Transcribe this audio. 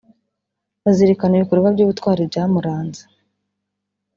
bazirikana ibikorwa by’ubutwari byamuranze